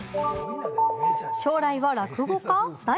将来は落語家！？